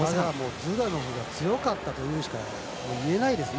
ズダノフが強かったというしか言えないですね。